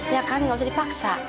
ya kan nggak usah dipaksa